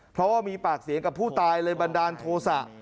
เพราะว่ามีปากเสียงกับผู้ตายเลยบันดาลโทษะ